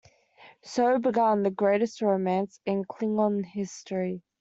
So began the greatest romance in Klingon history.